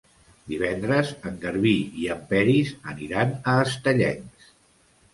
Divendres en Garbí i en Peris aniran a Estellencs.